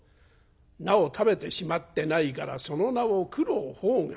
菜を食べてしまってないから『その名を九郎判官』。